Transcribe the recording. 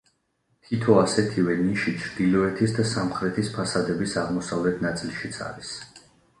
თითო ასეთივე ნიში ჩრდილოეთის და სამხრეთის ფასადების აღმოსავლეთ ნაწილშიც არის.